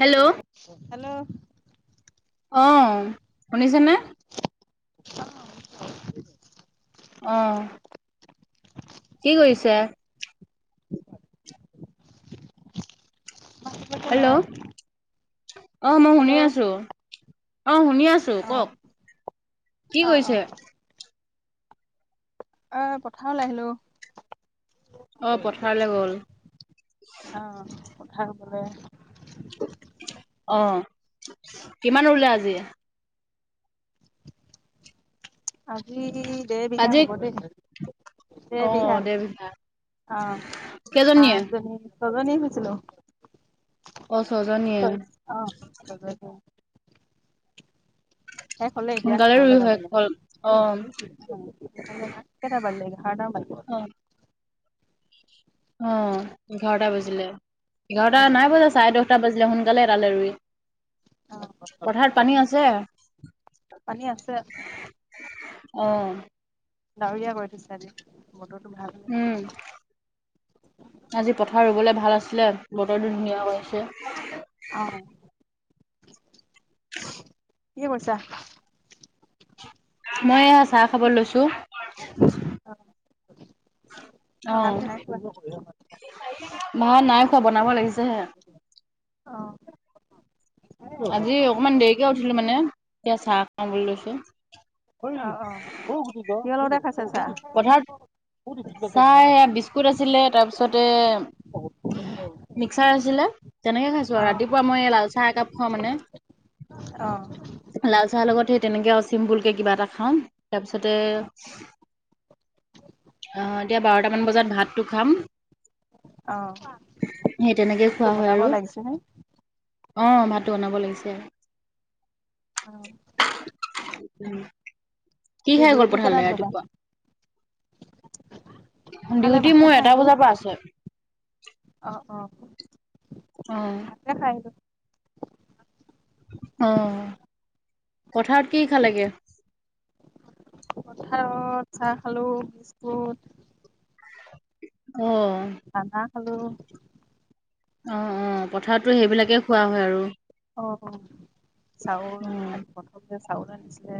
Hello hello. অঁ শুনিছেনে? অঁ শুনিছোঁ। অঁ। কি কৰিছে? হেল্ল' যপোনাই [unintelligible] অ মই শুনি আছো অ শুনি আছো। অ কওক কি অ অ কৈছে? এ পথাৰলৈ আহিলো। অ', কলে পথাৰলৈ গ'ল। অ পথাৰ ৰুবুলে। অ কিমান ৰুলে আজি? আজি দেৰ বিঘা আজি হ'ব দেই দেৰ বিঘা। আ কেইজনীয়ে? পাঁচ জনি ছজনি হৈছিলো। অ', ছজনীয়ে। চয় অ চজনি। শে হলে এতিয়া সোনকালে ৰুই ঘৰলৈ যাব শেষ হ'ল। লাগে। অ', কেইটামান বাজিলে এঘাৰ টা মন বাজীলে। অ', অ এঘাৰটা বাজিলে এঘাৰটা নাই বজা চাৰে দহটা বাজিলে সোনকালে এটালে ৰুই। অ পথাৰত পানী আছে? পানী আছে। অ। ডাৱৰীয়া কৰি থৈছে আজি বটৰটো ভাল। উম। আজি পথাৰ ৰুবলৈ ভাল আছিলে বতৰটো ধুনীয়া হৈছে। অ কি কৰিছা? মই এয়া চাহ খাব লৈছো। ও। ভাত নাই খোৱা ভাত নাই খোৱা বনাব লাগিছেহে। অ। আজি অকমান দেৰিকে উঠিলো মানে এতিয়া চাহ খাবলৈ লৈছো। অ কিহৰ লগত হে খাইছা ছাহ। পথাৰত চাই বিস্কুট আছিলে তাৰপিছতে মিক্সাৰ আছিলে তেনেকে খাইছো আৰু ৰাতিপুৱা মই লাল চাহ একাপ খাওঁ মানে অ। লাল চাহৰ লগত সেই তেনেকৈ অ চিম্পুলকে কিবা এটা খাওঁ তাৰপিছতে অ এতিয়া বাৰটামান বজাত ভাতটো খাম। অ সেই তেনেকে ভাতটো খোৱা হয় বনাব আৰু লাগিছে নে? অ ভাতটো বনাব লাগিছে। অ। [unintelligible] কি খাই গ'ল ডিউটি পথাৰলে কেতাত যাবা। ৰাতিপুৱা খালে ডিউটি ভাতে মোৰ খাই এটা আহিলোঁ বজাৰ পৰা আছে। অ অ। অ। দেখাই [unintelligible] অ পথাৰত কি খালে গে? পথাৰত চাহ খালো বিস্কুট। অ। চানা খালো। অ অ পথাৰতো সেইবিলাকে খোৱা হয় আৰু। অ চাউল অ', আজি প্ৰথম যে চাউল আনিছিলে।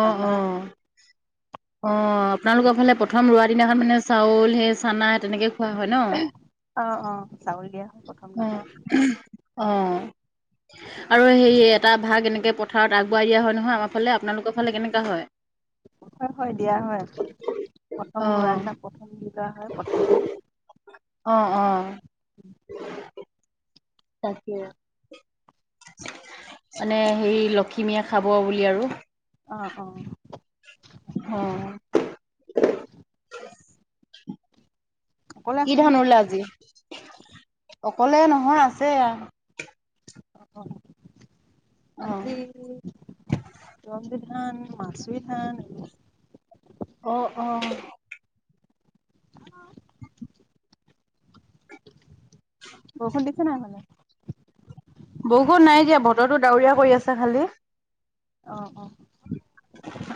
অ অ অ আপনালোকৰ ফালে পথাৰ। প্ৰথম ৰোৱাৰ দিনাখন মানে চাউল সেই চানা তেনেকৈ খোৱা হয় ন। অহ', - অহ ', -চাউল দিয়া। হয় প্ৰথম দিনাখন অ-অ। আৰু সেই এটা ভাগ এনেকৈ পথাৰত আগবুৱাই দিয়া হয় নহয় আমাৰ ফালে। আপোনালোকৰ ফালে কেনেকুৱা হয়? হয়-হয়, দিয়া হয়। প্ৰথম ৰোৱা অ', দিনা প্ৰথম বুলি কৰা হয় পথাৰতে। উমঁ-উম। উম। তাকে, মানে সেই লখিমীয়ে খাব বুলি আৰু। অঁহ', -অঁহ', -। অ। অকলে কি আছা ধান নেকি? ৰুলে আজি? অকলে নহয় আছে। অ', - তে- ৰনজিত ধান, মাচুবি ধান। অ-অহ। উম। বৰষুণ দিছে নাই সেইপিনে? বৰষুণ নাই দিয়া, বতৰটো ডাৱৰীয়া কৰি আছে খালি। অঁহ', -অঁহ।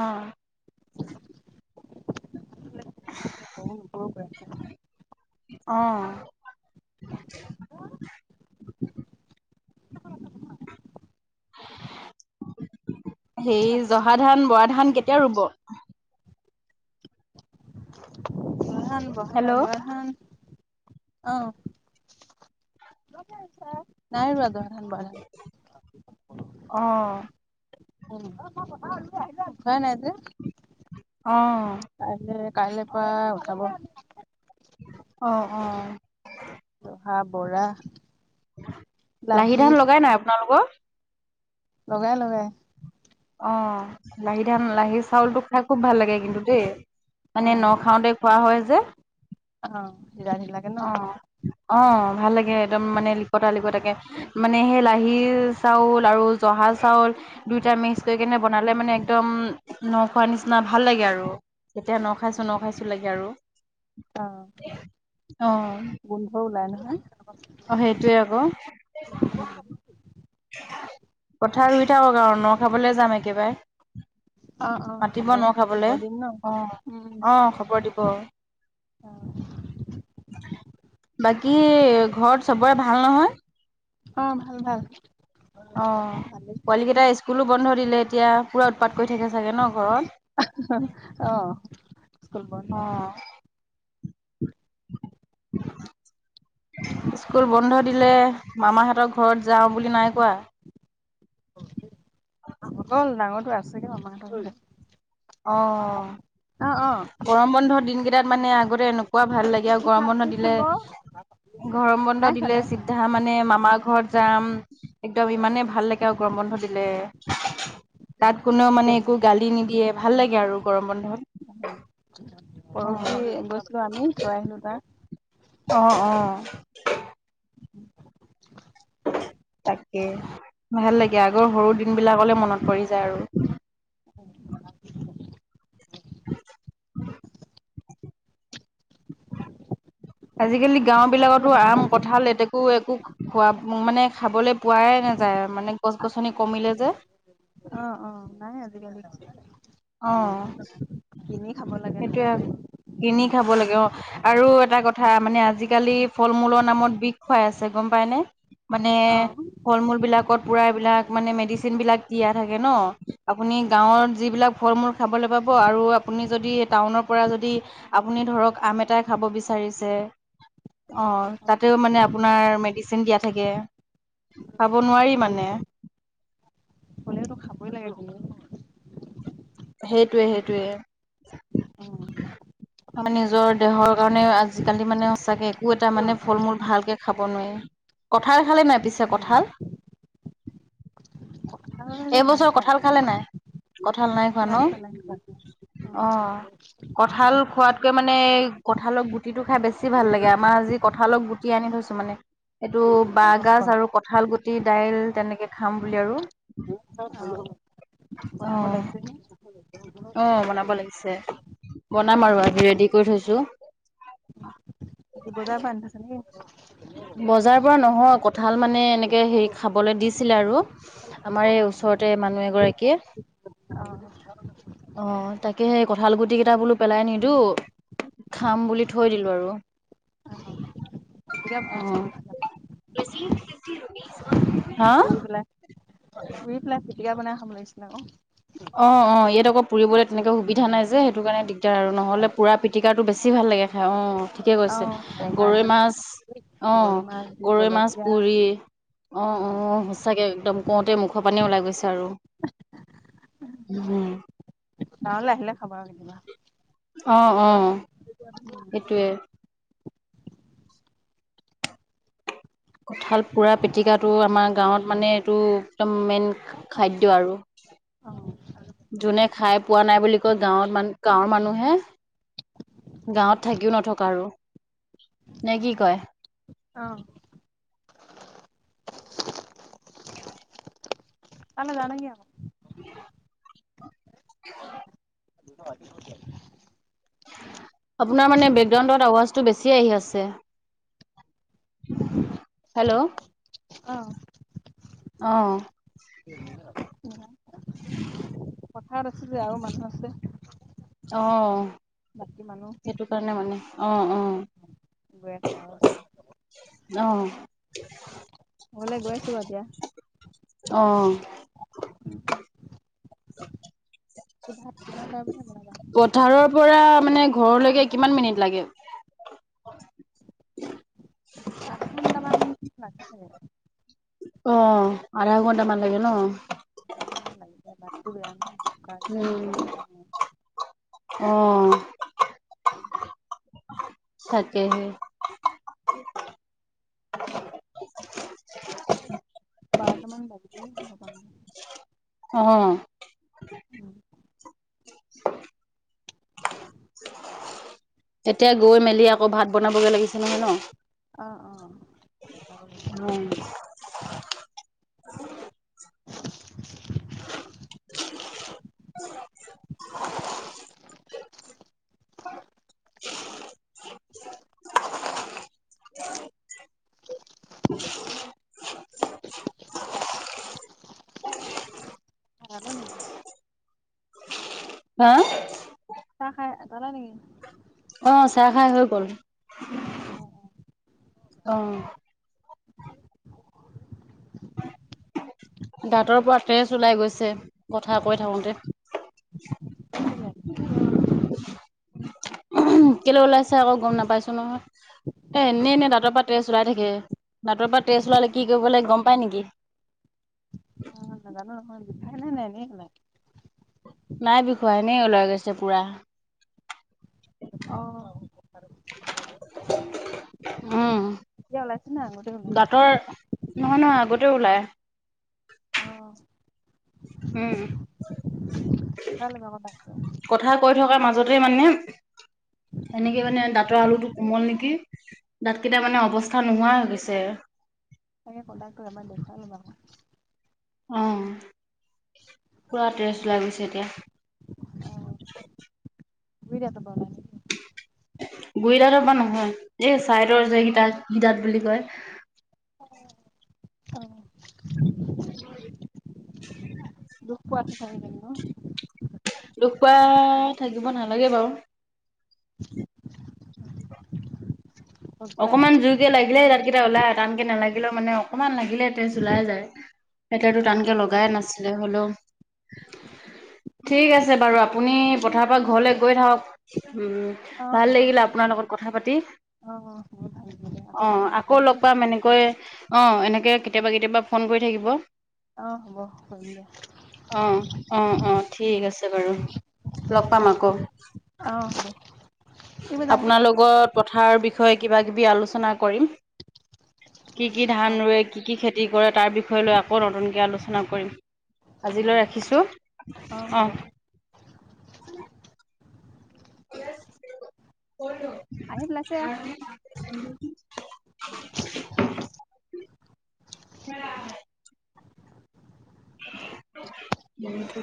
অঁহ। বতৰটো বেয়া সৈছে। অঁ। আহ- [inaudible] সেৰি জহা ধান, বৰা ধান, কেতিয়া ৰুব? জহা ধান, বৰা হেল্ল' ধান অঁহ। নাই ৰোৱা জহা ধান, বৰা ধান খিনি। অহ। [inaudible] অঁহ। কাইলৈ, কাইলৈ পৰা উঠাব। অঁহ', -অঁহ',। জহা, বৰা। লাহি ধান লগাই নাই আপোনালোকৰ? লগাই-লগাই। অঁহ', লাহি ধান, লাহি চাউলটো খাই খুব ভাল লাগে কিন্তু দেই। মানে নখাওঁতে- খোৱা হয় যে। অঁ', - [inaudible] অঁহ', অঁ ভাল লাগে একদম মানে লিকতা লিকতাকে। মানে সেই লাহি চাউল আৰু জহা চাউল দুইটা মিক্স কৰি কেনে বনালে মানে একদম নখোৱা নিচিনা ভাল লাগে আৰু। তেতিয়া ন খাইছো, ন খাইছো লাগে আৰু। অঁহ', অ', -গোন্ধ ওলাই নহয়। অ সেইটোৱে আকৌ। অ। পথা ৰুই থাক আউ ন খাবলে যাম একেবাই অ অ হ'ব খ'ব দিম ন অ', উম অ', খবৰ দিব অ বাকী ঘত চবয়ে ভাল নহয় অ ভাল ভাল অঁ ভালেই পোৱালিকেইটা স্কুলো বন্ধ দিলে এতিয়া পূৰা উৎপাত কৰি থাকে চাগে ন ঘৰত অ স্কুল বন্ধ অ', [inaudible] স্কুল বন্ধ দিলে মামাহতৰ ঘৰত যাও বুলি নাই কোৱা গল ডাঙৰটো আছেগে মামাহতৰ যৰতে অঁ অ গৰম বন্ধ দিনকেইটাত মানে আগতে এনেকুৱা ভাল লাগে, আৰু সি খা গৰম সি বন্ধ দিলে খাব ঘৰম বন্ধ নাই খোৱা দিলে নাই খোৱা চিধা মান নে মামাৰ ঘৰত যাম একদম ইমানে ভাল লাগে আউ গৰম বন্ধ দিলে। তাত কোনেও তাকে মানে একো গালি নিদিয়ে ভাল লাগে আৰু গৰম বন্ধত। অ', পৰহি গৈছিলোঁ আমি থৈ আহিলো তাক। অ', অ'। উম'। [unintelligible] তাকে ভাল লাগে, আগৰ সৰু দিন বিলাকলে মনত পৰি যায় আৰু। [inaudible] [inaudible] [inaudible] [inaudible] আজিকালি গাঁও চব্জিহে বিলাকতো আম, বনাবা এতিয়া? কঁঠাল, লেটেকো একো হোৱাপ মানে খাবলে পোৱাই নাযায় মানে গছ গছনি কমিলে যে। অ', অ' নাই আজিকালি অ গাঁৱতো কিনি খাব লাগে খালে। সেইটোয়ে কিনি খাব লাগে অ'। আৰু এটা কথা মানে আজিকালি ফল মূলৰ নামত বিষ খুৱাই আছে গম পাই নে? মানে অ ফল মূল বিলাকত পুৰা এইবিলাক মানে মেডিচিনবিলাক দিয়া থাকে ন, আপুনি গাঁৱত যিবিলাক ফল মূল খাবলে পাব আৰু আপ পুনি যদি টাউনৰ পৰা যদি আপুনি ধৰক আম এটাই খাব বিচাৰিছে অ', তাতেও মানে আপোনাৰ মেডিচিন দিয়া থাকে খাব নোৱাৰি হ'লে মানে। হ'লেওতো খাবই লাগে সেইটোৱে, সেইটোৱে। অ' আমি নিজৰ দেহৰ কাৰণে আজিকালি মানে সঁচাকে একো এটা অ মানে ফল মূল ভালকে খাব নোৱাই, কঁঠাল খালে নাই পিছে উম কঁঠাল? খাবলে নাই এইবছৰ খোৱা কঁঠাল এতিয়ালৈকে খালে নাই? কঁঠাল নাই খোৱা ন উম অ'। কঁঠাল খোৱাতকৈ মানে কঁঠালৰ গুটিটো খাই বেছি ভাল লাগে আমাৰ আজি কঁঠালৰ গু টি আনি থৈছোঁ মানে, এইটো বাঁহগাজ আৰু কঁঠাল গুটি দাইল তেনেকে খাম বুলি আৰু। অ বনাব লাগিছে নে? অ বনাব লাগিছে, বনাম আৰু আজি ৰেডি কৰি থৈছোঁ। আজি বজাৰ পা আনি থৈছ নেকি বজাৰৰ পৰা নহয় কঠাল মানে এনেকে হেৰি খাবলৈ দিছিলে আৰু। [unintelligible] অ আমাৰ এই ওচৰতে মানুহ এগৰাকীয়ে। [unintelligible] অঁ [inaudible] অঁ! তাকে সেই কঁঠাল গুটি কেইটা বোলো পেলাই নিদো [unintelligible] খাম বুলি থৈ দিলো আৰু। [inaudible] অ পিটিকা বনাই খাব অঁ! লাগিছিলে [inaudible] হা? পুৰি পেলাই পুৰি পেলাই পিটিকা বনাই খাব লাগিছিলে আকৌ। [unintelligible] অঁ-অঁ! ইয়াত অক [unintelligible] পুৰিবলৈ তেনেকৈ সুবিধা নাই যে, সেইটো কাৰণে দিগদাৰ আৰু নহ'লে পুৰা পিটিকাটো বেছি ভাল লাগে খায় অঁ। [unintelligible] ঠিকে কৈছে। অ', টেঙা গৰৈ দি মাছ, অঁ গৰৈ মাছ গৰৈ মাছ জলকীয়া পুৰি। [unintelligible] অ অঁ-অঁ! সঁচাকে একদম কওঁতে মুখৰ পানী ওলাই গৈছে আৰু। [unintelligible] উম'। [inaudible] গাৱলৈ আহিলে খাবা অ আৰু অ কেতিয়াবা। [inaudible] সেইটোৱে কঁঠাল পোৰা পিটিকাটো, আমাৰ গাঁৱত মানে এইটো একদম মেইন খাদ্য আৰু। [inaudible] অঁ [inaudible] যোনে খাই পোৱা নাই বুলি কয়, গাঁৱত মানুহ গাঁৱৰ মানুহে [unintelligible] গাঁৱত থাকিও নথকা আৰু। নে কি কয়? [inaudible] অঁ [unintelligible] [inaudible] [inaudible] তালে যাৱ নে কি আকৌ? [unintelligible] [unintelligible] [unintelligible] আপোনাৰ মানে বেকগ্ৰাউণ্ডত আৱাজটো বেছি আহি আছে। [inaudible] হেল্ল' অ [inaudible] অঁ! [inaudible] পথাৰত আছোঁ যে আৰু মানুহ আছে। অঁ! [unintelligible] বাকী মানুহ [inaudible] সেইটো কাৰণে মানে। অঁ-অঁ। [inaudible] গৈ আছে অঁ [inaudible] অঁ [inaudible] ঘৰলে গৈ আছো বাৰু এতিয়া। অঁ। [inaudible] ভাত কিমান টাইমতহে বনাবা? [unintelligible] [inaudible] পৰা মানে ঘৰলৈকে কিমান মিনিট লাগে? আধা ঘণ্টামান লাগে। [inaudible] অ! আধা ঘন [unintelligible] [unintelligible] আধাঘণ্টা মান লাগি যায়। বাটতো বেয়া নহয় বোকা যে দ-দ সোমাই [unintelligible] উম [inaudible] [unintelligible] তাকেহে [unintelligible] [unintelligible] [inaudible] বাৰটামান বাজিবই ঘৰ পাওঁতে [unintelligible] অঁ [inaudible] উম [inaudible] [unintelligible] এতিয়া গৈ মেলি আকৌ ভাত বনাবগে লাগি নহয় ন? অ অ। ভাত বনাব [unintelligible] [unintelligible] [unintelligible] [unintelligible] [unintelligible] [unintelligible] হা? চাহ খাই এটালা নেকি? অ, চাহ খাই হৈ গ'ল। অ অ। অ। দাঁতৰ পৰা তেজ ওলাই গৈছে, কথা কৈ থাকোঁতে। কেলে কেলৈ ওলাইছে আকৌ, গম নাপাইছোঁ নহয়। এ এনে এনে দাতপা তেছ ওলাই থাকে। দাঁতৰ পৰা তেছ ওলালে কি কৰিব লাগে, গম পায় নেকি? অ, নাজানো নহয়। বিষায় নে এনে উলাই? নাই বিষুৱা, এনেই ওলাই গৈছে পুৰা। অ [unintelligible] [unintelligible] উম। এতিয়া ওলাইছে না গোটেই ওলাই দাঁতৰ নহয় নহয় আগতেও ওলাই। অঁ। উম। দেখুৱাই ল'বা আকৌ তাক কথা কৈ থকাৰ মাজতে মানে, এনেকে মানে দাঁতৰ আলুটোক কোমল নেকি? দাতকেইটা মানে অৱস্থা নোহোৱা হৈ গৈছে। চাগে প্ৰডাক্টো এবাৰ দেখোৱাই ল'বা। অ, অ। পুৰা তেছ ওলাই গৈছে এতিয়া। অ'। গুৰি দাতপা ওলা গুৰি দাঁত পা নহয়। এই চাইদৰ যে একিটা, কি দাঁত বুলি কয়। অ। অ। [unintelligible] দুখ পোৱাটো [unintelligible] ন দুখ পোৱা থাকিব নালাগে বাও। [inaudible] খজুৱাই অকমান জোৰকে লাগিলে দাতকিটা ওলাই। টানকে নালাগিলেও মানে অকমান লাগিলে তেচ ওলাই যায়। হেতু হেতু অ টানকে লগাই নাছিলে। হলৌ ঠিক আছে বাৰু আপুনি পথাৰ পা ঘৰলে গৈ থাকক। উম। অ ভাল হ'ব লাগিলে দিয়া। আপোনাৰ লগত কথা পাতি। অ অ। বহুত ভাল [unintelligible] অ। আকৌ লগ পাম এনেকৈ অ এনেকে কেতিয়াবা কেতিয়াবা ফোন কৰি থাকিব। অ, হ'ব। কৰিম দিয়া। অ, অ, অ,। ঠিক আছে বাৰু লগ পাম আকৌ। অ' [unintelligible] ফুৰিব যামগে আপোনাৰ লগত পথাৰ বিষয়ে কিবা কিবি আলোচনা কৰিম। কি কি অ ধান ৰুৱে, কি কি খেতি কৰে তাৰ বিষয়ে লৈ আকৌ নতুনকৈ আলোচনা কৰিম। হ'ব আজিলৈ দিয়া অ ৰাখিছোঁ, হ'ব অঁ'। ক [inaudible] আহি পেলাইছে। [unintelligible] ম [inaudible]